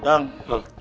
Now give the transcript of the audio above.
om duluan aja